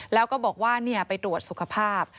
แล้วก็บอกว่าไปตรวจสุขภาพ